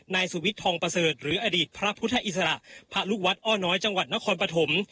นายสุวิทย์ทองประเสริฐหรืออดีตพระพุทธอิสระพระลูกวัดอ้อน้อยจังหวัดนครปฐม